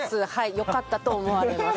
よかったと思われます。